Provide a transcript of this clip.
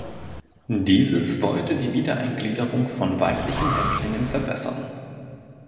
Dieses wollte die Wiedereingliederung von weiblichen Häftlingen verbessern.